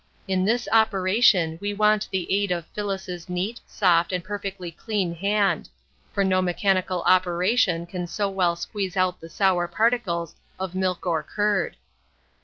In this operation we want the aid of Phyllis's neat, soft, and perfectly clean hand; for no mechanical operation can so well squeeze out the sour particles of milk or curd.